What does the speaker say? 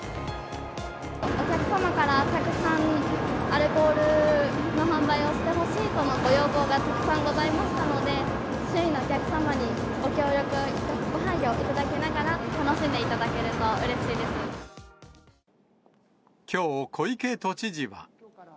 お客様から、たくさん、アルコールの販売をしてほしいとのご要望がたくさんございましたので、周囲のお客様にご協力、ご配慮いただきながら、楽しんでいただけきょう、小池都知事は。